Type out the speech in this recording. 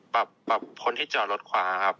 ปรับพ้นที่จอดรถขวาครับ